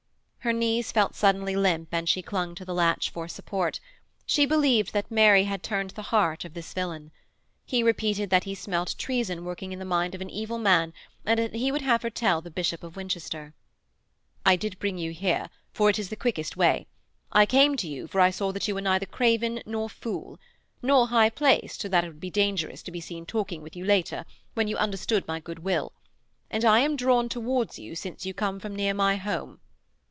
Her knees felt suddenly limp and she clung to the latch for support; she believed that Mary had turned the heart of this villain. He repeated that he smelt treason working in the mind of an evil man, and that he would have her tell the Bishop of Winchester. 'I did bring you here, for it is the quickest way. I came to you for I saw that you were neither craven nor fool: nor high placed so that it would be dangerous to be seen talking with you later, when you understood my good will. And I am drawn towards you since you come from near my home.'